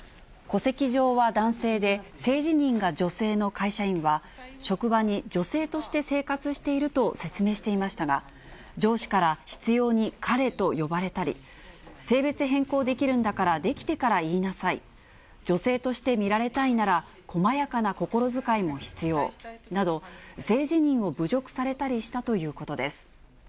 戸籍上は男性で、性自認が女性の会社員は、職場に女性として生活していると説明していましたが、上司から執ように彼と呼ばれたり、性別変更できるんだから、できてから言いなさい、女性として見られたいなら、こまやかな心遣いも必要など、性自認を侮辱されたりしたということです。